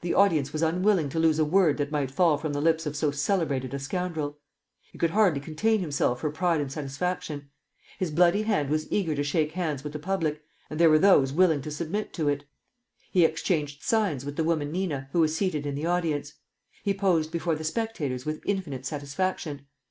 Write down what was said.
The audience was unwilling to lose a word that might fall from the lips of so celebrated a scoundrel. He could hardly contain himself for pride and satisfaction. His bloody hand was eager to shake hands with the public, and there were those willing to submit to it. He exchanged signs with the woman Nina who was seated in the audience. He posed before the spectators with infinite satisfaction.